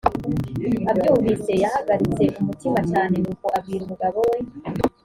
abyumvise yahagaritse umutima cyane nuko abwira umugabo we